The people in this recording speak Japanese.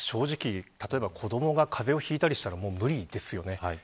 正直、子どもが風邪をひいたりしたら無理ですよね。